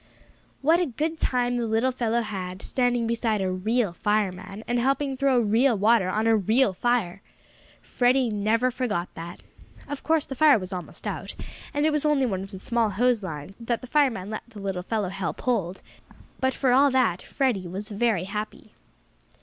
What a good time the little fellow had, standing beside a real fireman, and helping throw real water on a real fire! Freddie never forgot that. Of course the fire was almost out, and it was only one of the small hose lines that the fireman let the little fellow help hold, but, for all that, Freddie was very happy.